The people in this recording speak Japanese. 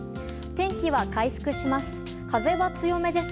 天気は回復します。